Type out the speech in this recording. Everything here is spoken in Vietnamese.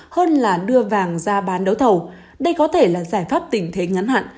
hơn là đưa vàng ra bán đấu thầu đây có thể là giải pháp tình thế ngắn hạn